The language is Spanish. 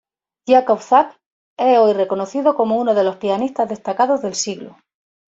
Yakov Zak es hoy reconocido como uno de los pianistas destacados del siglo.